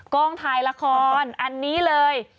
กล้องถ่ายละครอันนี้เลย